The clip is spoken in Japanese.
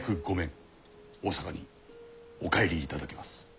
大坂にお帰りいただけます。